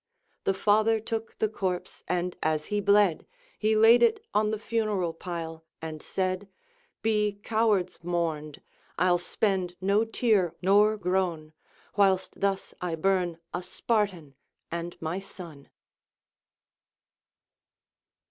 The father took the corpse, and as he bled, He laid it on the funeral pile, and said : Be cowards mourned, I'll spend no tear nor groan, Whilst thus I burn a Spartan and my son.